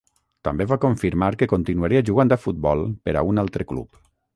També va confirmar que continuaria jugant a futbol per a un altre club.